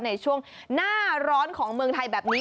ในช่วงหน้าร้อนของเมืองไทยแบบนี้